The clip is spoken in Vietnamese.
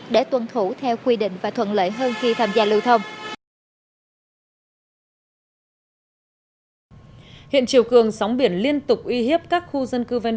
để tuân thủ theo quy định và thuận lợi hơn khi tham gia lưu thông